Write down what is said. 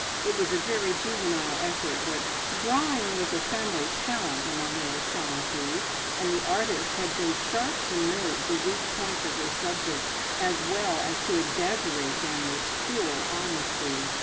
It was a very juvenile effort, but drawing was a family talent among the O'Shaughnessys, and the artist had been sharp to note the weak points of her subject, as well as to exaggerate them with cruel honesty.